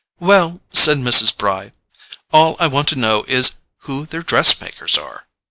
"Well," said Mrs. Bry, "all I want to know is who their dress makers are."